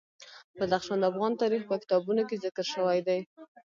بدخشان د افغان تاریخ په کتابونو کې ذکر شوی دي.